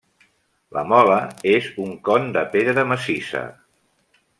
La mola, és un con de pedra massissa.